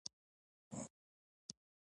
اشلي وايي "ناڅاپه مې له خولې ووتل